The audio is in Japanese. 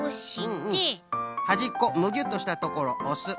はじっこむぎゅっとしたところをおす。